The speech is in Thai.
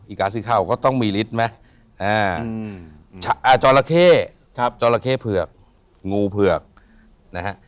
กาสีเข้าก็ต้องมีฤทธิ์ไหมจอละเข้อจราเข้เผือกงูเผือกนะฮะ